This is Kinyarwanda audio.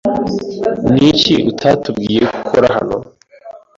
Niki utatubwiye ko ukora hano?